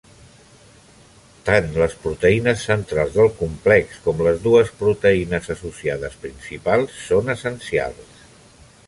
Tant les proteïnes centrals del complex com les dues proteïnes associades principals són essencials.